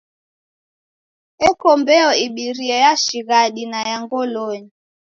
Eko mbeo ibirie ya shighadi na ya ngolonyi.